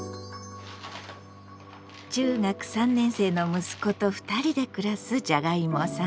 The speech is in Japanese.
中学３年生の息子と２人で暮らすじゃがいもさん。